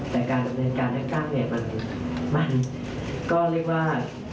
แต่การบรรยากาศนักกรรมมันก็เรียกว่า